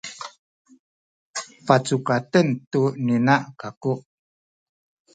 pacukaten tu ni ina kaku